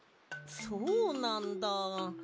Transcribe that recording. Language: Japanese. そうなんだ。